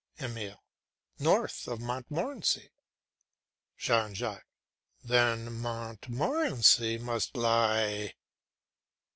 EMILE. North of Montmorency. JEAN JACQUES. Then Montmorency must lie...